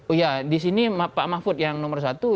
oh ya disini pak mahfud yang nomor satu